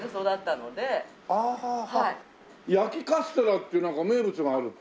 焼きカステラっていうなんか名物があるっていう。